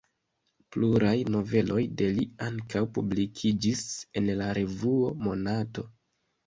Pluraj noveloj de li ankaŭ publikiĝis en la revuo Monato.